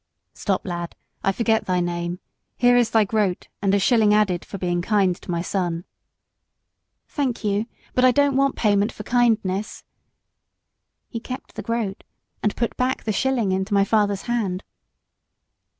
"Stop, lad I forget thy name here is thy groat, and a shilling added, for being kind to my son." "Thank you, but I don't want payment for kindness." He kept the groat, and put back the shilling into my father's hand.